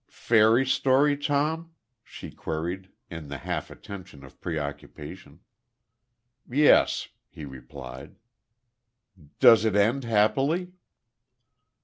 "Fairy story, Tom?" she queried, in the half attention of preoccupation. "Yes," he replied. "Does it end happily?"